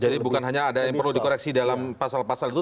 bukan hanya ada yang perlu dikoreksi dalam pasal pasal itu